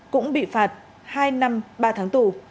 cũng bị phạt hai năm ba tháng tù